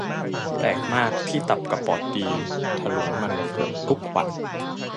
แปลกมากที่ตับกับปอดดี ถลุงมันเกือบทุกวัน